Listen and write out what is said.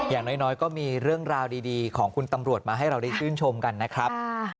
อย่างน้อยก็มีเรื่องราวดีของคุณตำรวจมาให้เราได้ชื่นชมกันนะครับ